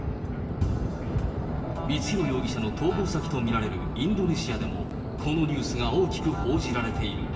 光弘容疑者の逃亡先と見られるインドネシアでも、このニュースが大きく報じられている。